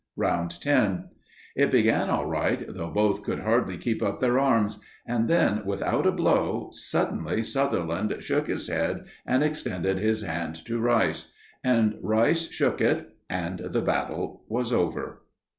Round 10. It began all right, though both could hardly keep up their arms, and then, without a blow, suddenly Sutherland shook his head and extended his hand to Rice, and Rice shook it and the battle was over.